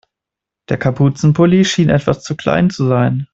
Der Kapuzenpulli schien etwas zu klein zu sein.